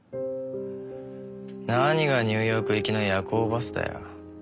何がニューヨーク行きの夜行バスだよ。